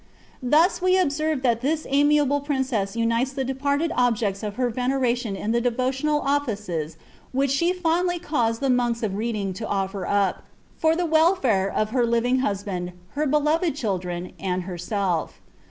Thus we observe this amiable princess unites the departed objects of her veneration be devotional offices which she fondly caused the monks of Reading tfler up, for the welfare of her living husband, her beloved children, herself.